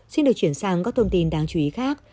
xin được chuyển sang các thông tin đáng chú ý khác